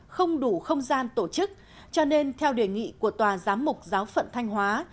không đủ không gian tổ chức cho nên theo đề nghị của tòa giám mục giáo phận thanh hóa